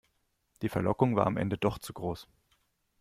Die Verlockung war am Ende doch zu groß.